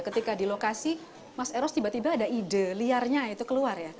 ketika di lokasi mas eros tiba tiba ada ide liarnya itu keluar ya